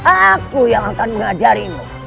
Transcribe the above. aku yang akan mengajarimu